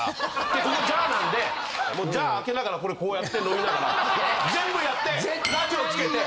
でここジャーなんでジャー開けながらこれこうやって飲みながら全部やってラジオつけて。